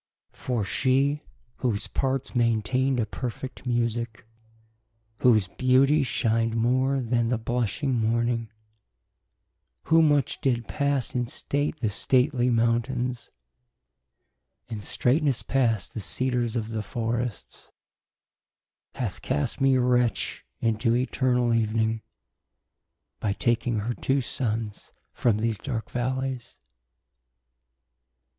For she , whose parts maintainde a perfect musique, Whose beautie shin'de more then the blushing morning, Who much did passe in state the stately mountaines. In straightnes past the Cedars of the forrests , Hath cast me wretch into eternall evening. By taking her two Sunnes from these darke vallies. 142 ARCADIA.